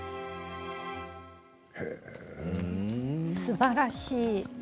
すばらしい。